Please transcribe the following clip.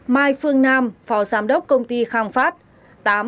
bảy mai phương nam phó giám đốc công ty khang phát